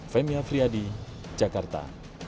femya friadi jakarta